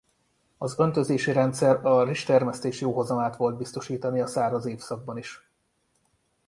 Az öntözési rendszer a rizstermesztés jó hozamát volt biztosítani a száraz évszakban is.